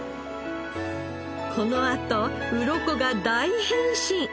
このあとウロコが大変身！